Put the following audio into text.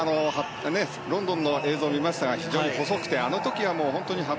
ロンドンの映像を見ましたが非常に細くてあの時は８００、１５００